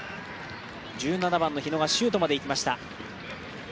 １７番の日野がシュートまでいきました。